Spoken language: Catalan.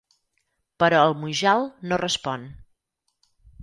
Però el Mujal no respon.